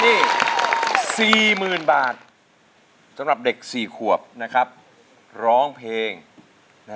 ร้องได้ในเพลงที่๓เท่ากับ๒๐๐๐๐บวก๒๐๐๐๐เป็น๔๐๐๐๐ครับ